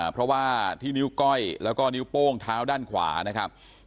เพราะว่าที่นิ้วก้อยแล้วก็นิ้วโป้งเท้าด้านขวานะครับ